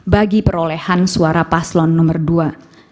bagi perolehan suara paslon nomor dua